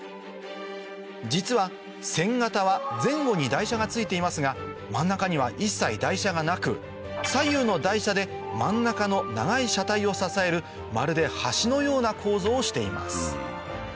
実は１０００形は前後に台車が付いていますが真ん中には一切台車がなく左右の台車で真ん中の長い車体を支えるまるで橋のような構造をしています